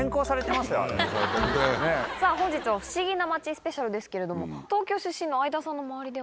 本日は不思議な町スペシャルですけれども。